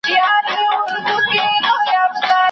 درسپارل سوي کار کي بریالی اوسې.